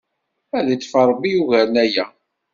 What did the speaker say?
Ad iṭṭef Ṛebbi i yugaren aya!